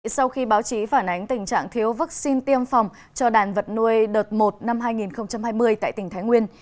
sau khi báo chí phản ánh tình trạng thiếu vaccine tiêm phòng cho đàn vật nuôi đợt một năm hai nghìn hai mươi tại tỉnh thái nguyên